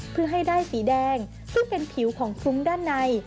เพื่อให้ได้สีแดงซึ่งเป็นผิวของฟุ้งด้านใน